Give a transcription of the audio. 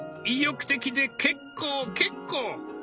意欲的で結構結構。